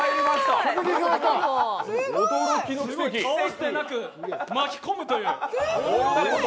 倒してなく巻き込むという。